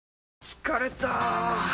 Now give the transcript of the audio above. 疲れた！